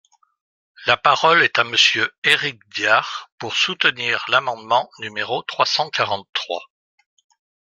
La parole est à Monsieur Éric Diard, pour soutenir l’amendement numéro trois cent quarante-trois.